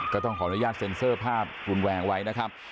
ก็ต้องขออนุญาตเซ็นเซอร์ภาพรุนแรงไว้นะครับ